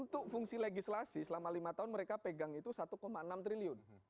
untuk fungsi legislasi selama lima tahun mereka pegang itu satu enam triliun